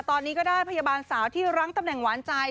ตอนนี้ก็ได้พยาบาลสาวที่รั้งตำแหน่งหวานใจ